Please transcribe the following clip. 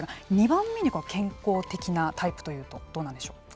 ２番目に健康的なタイプというとどうなんでしょうか。